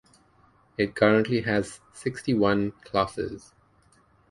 It currently has sixty-one classes.